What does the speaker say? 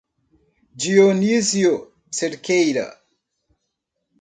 Dionísio Cerqueira